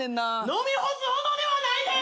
飲み干すほどではないで！